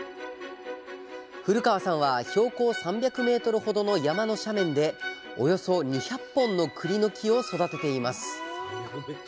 古川さんは標高３００ｍほどの山の斜面でおよそ２００本のくりの木を育てています。